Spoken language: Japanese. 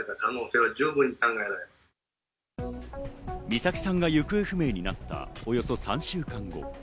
美咲さんが行方不明になったおよそ３週間後。